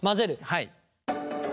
はい。